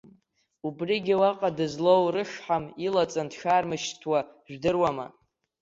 Убригьы уаҟа дызлоу рышҳам илаҵан дшаармышьҭуа жәдыруама?